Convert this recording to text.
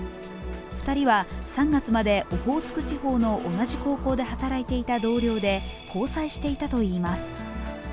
２人は３月までオホーツク地方の同じ高校で働いていた同僚で交際していたといいます。